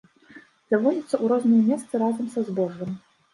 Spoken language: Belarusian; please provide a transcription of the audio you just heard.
Завозіцца ў розныя месцы разам са збожжам.